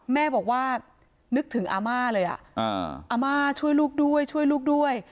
แม่บอกว่านึกถึงอาม่าเลยอาม่าช่วยลูกด้วยช่วยลูกด้วย